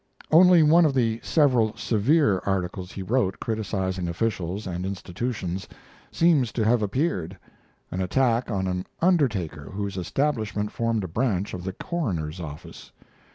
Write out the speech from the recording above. Only one of the several severe articles he wrote criticizing officials and institutions seems to have appeared an attack on an undertaker whose establishment formed a branch of the coroner's office.